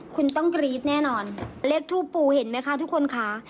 คุณต้องกรี๊ดแน่นอนเลขทูปปูเห็นไหมคะทุกคนค่ะ